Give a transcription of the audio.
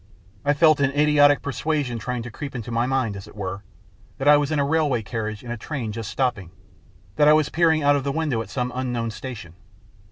I felt an idiotic persuasion trying to creep into my mind, as it were, that I was in a railway carriage in a train just stopping, that I was peering out of the window at some unknown station.